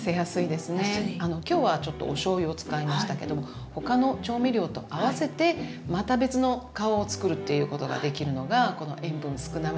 今日はちょっとおしょうゆを使いましたけども他の調味料と合わせてまた別の顔をつくるっていうことができるのがこの塩分少なめの特徴だと思います。